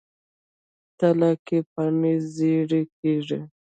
تله کې پاڼې ژیړي کیږي.